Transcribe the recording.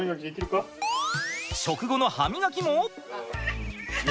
食後の歯みがきも。